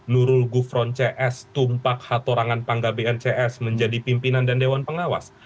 nurul gufron cs tumpak hatorangan pangga bncs menjadi pimpinan dan dewan pengawas